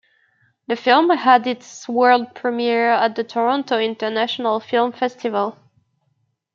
The film had its world premiere at the Toronto International Film Festival.